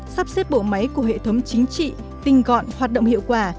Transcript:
sắp xếp bộ máy của hệ thống chính trị tinh gọn hoạt động hiệu quả